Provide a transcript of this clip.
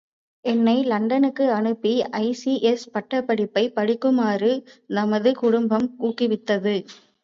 என்னை லண்டனுக்கு அனுப்பி ஐ.சி.எஸ்.பட்டப் படிப்பை படிக்குமாறு நமது குடும்பம் ஊக்குவித்தது.